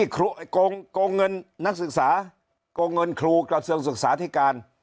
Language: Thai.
โกงเงินนักศึกษาโกงเงินครูกระทรวงศึกษาธิการ